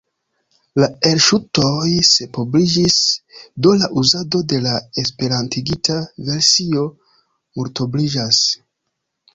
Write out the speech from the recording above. La elŝutoj sepobliĝis, do la uzado de la esperantigita versio multobliĝas.